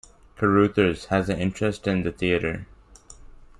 Carruthers has an interest in the theatre.